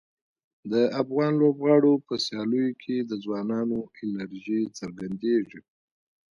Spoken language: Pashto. د افغان لوبغاړو په سیالیو کې د ځوانانو انرژي څرګندیږي.